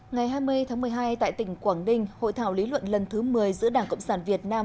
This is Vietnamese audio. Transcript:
ngày hai mươi tháng một mươi hai tại tỉnh quảng ninh hội thảo lý luận lần thứ một mươi giữa đảng cộng sản việt nam